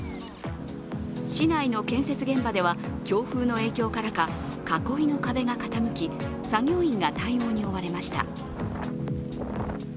市内の建設現場では強風の影響からか囲いの壁が傾き、作業員が対応に追われました。